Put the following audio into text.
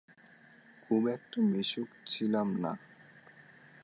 খুব একটা মিশুক ছিলাম না।